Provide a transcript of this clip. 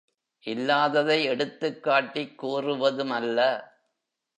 இல்லாததை எடுத்துக் காட்டிக் கூறுவதுமல்ல!